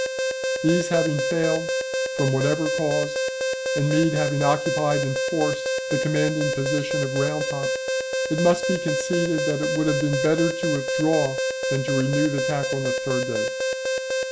These having failed, from whatever cause, and Meade having occupied in force the commanding position of Round Top, it must be conceded that it would have been better to withdraw than to renew the attack on the third day.